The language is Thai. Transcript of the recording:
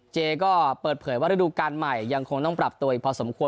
เจก็เปิดเผยว่าฤดูการใหม่ยังคงต้องปรับตัวอีกพอสมควร